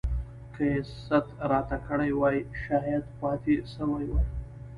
که يې ست راته کړی وای شايد پاته سوی وای.